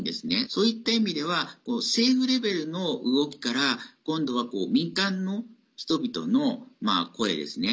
そういった意味では政府レベルの動きから今度は民間の人々の声ですね。